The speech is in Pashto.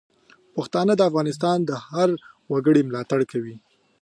پښتانه د افغانستان د هر وګړي ملاتړ کوي.